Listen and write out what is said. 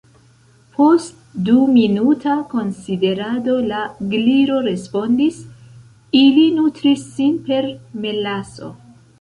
Post du minuta konsiderado la Gliro respondis: "Ili nutris sin per melaso."